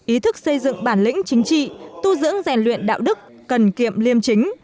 ý thức xây dựng bản lĩnh chính trị tu dưỡng rèn luyện đạo đức cần kiệm liêm chính